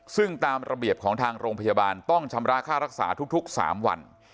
ซึ่งตามระเบียบของทางโรงพยาบาลต้องชำระค่ารักษาทุก๓วัน